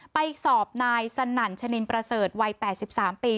ไปสอบนายสนั่นชนินประเสริฐวัย๘๓ปี